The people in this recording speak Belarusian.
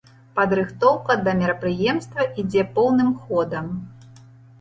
Падрыхтоўка да мерапрыемства ідзе поўным ходам.